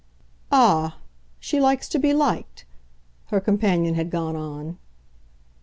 "Ah, she likes to be liked?" her companion had gone on.